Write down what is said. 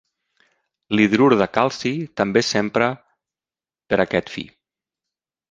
L'hidrur de calci també s'empra per a aquest fi.